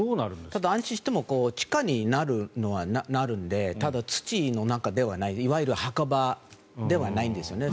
ただ、安置しても地下になるのはなるのでただ、土の中ではないいわゆる墓場ではないんですよね。